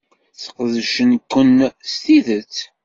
Sqedcen-ken s tidet.